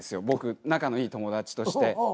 僕仲のいい友達として。